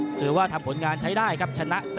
ถือว่าทำผลงานใช้ได้ครับชนะ๔